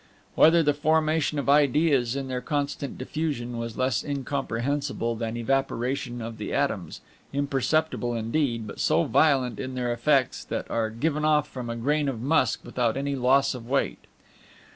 Whether the formation of Ideas and their constant diffusion was less incomprehensible than evaporation of the atoms, imperceptible indeed, but so violent in their effects, that are given off from a grain of musk without any loss of weight.